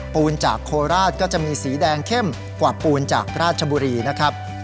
ปูนจากโคราชก็จะมีสีแดงเข้มกว่าปูนจากราชบุรีนะครับ